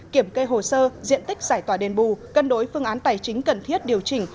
kiểm kê hồ sơ diện tích giải tỏa đền bù cân đối phương án tài chính cần thiết điều chỉnh